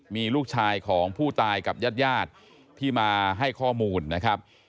มีลูกชายของผู้ตายกับญาติญาติที่มาให้ข้อมูลนะครับ